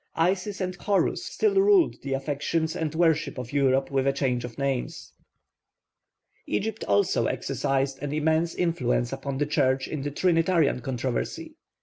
Isis and Horus still ruled the affections and worship of Europe with a change of names. Egypt also exercised an immense influence upon the Church in the Trinitarian controversy.